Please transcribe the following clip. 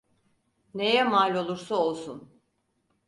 Neye mal olursa olsun.